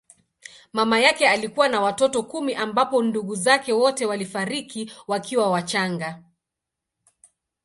Mama yake alikuwa na watoto kumi ambapo ndugu zake wote walifariki wakiwa wachanga.